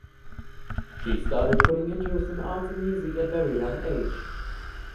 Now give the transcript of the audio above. She started putting interests in arts and music at very young age.